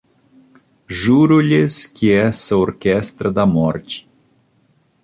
Juro-lhes que essa orquestra da morte